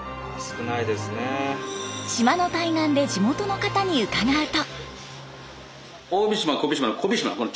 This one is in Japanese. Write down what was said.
島の対岸で地元の方に伺うと。